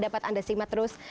dapat anda simak terus